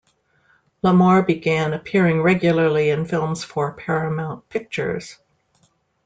Lamour began appearing regularly in films for Paramount Pictures.